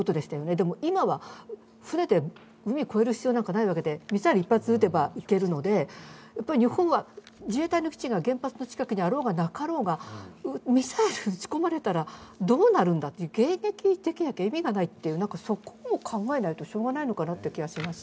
でも、今は、船で海超える必要なんてないわけで、ミサイル一発撃てばいけるので、日本は自衛隊の基地が原発の近くにあろうがなかろうが、ミサイルを撃ち込まれたらどうなるんだという、迎撃できなきゃ意味がない、そこを考えなきゃしょうがないのかなと思います。